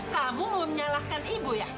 kamu menyalahkan ibu ya